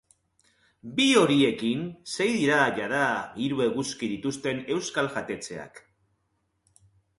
Bi horiekin sei dira jada hiru eguzki dituzten euskal jatetxeak.